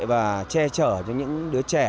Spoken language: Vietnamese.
và che chở cho những đứa trẻ